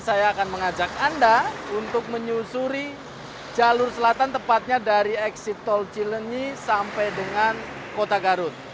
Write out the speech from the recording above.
saya akan mengajak anda untuk menyusuri jalur selatan tepatnya dari eksit tol cilenyi sampai dengan kota garut